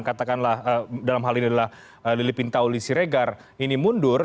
katakanlah dalam hal ini adalah lili pintauli siregar ini mundur